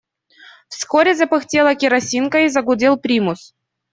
Вскоре запыхтела керосинка и загудел примус.